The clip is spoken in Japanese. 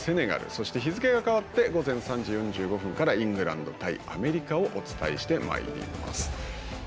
そして日付が変わって午前３時４５分からイングランド対アメリカをお伝えしてまいります。